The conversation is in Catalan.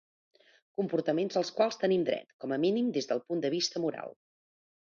Comportaments als quals tenim dret, com a mínim des del punt de vista moral.